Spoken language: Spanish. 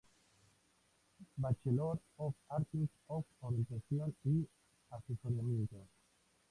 Bachelor of Arts en Orientación y Asesoramiento